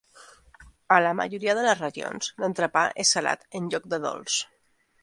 A la majoria de les regions, l'entrepà és salat en lloc de dolç.